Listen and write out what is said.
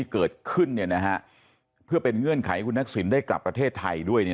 เกิดขึ้นเพื่อเป็นเงื่อนไขให้คุณทักษิณได้กลับประเทศไทยด้วย